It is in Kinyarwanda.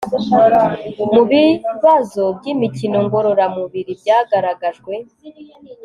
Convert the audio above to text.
mubibazo byimikino ngororamubiri byagaragajwe